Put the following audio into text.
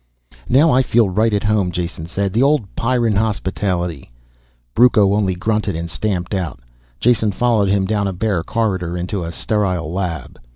"Now I feel right at home," Jason said. "The old Pyrran hospitality." Brucco only grunted and stamped out. Jason followed him down a bare corridor into a sterile lab.